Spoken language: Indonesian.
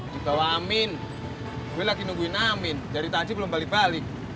dibawa amin gue lagi nungguin amin dari tadi belum balik balik